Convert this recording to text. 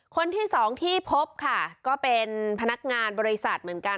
คนที่สองที่พบค่ะก็เป็นพนักงานบริษัทเหมือนกัน